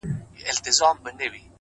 • تر قیامته بل ته نه سوای خلاصېدلای ,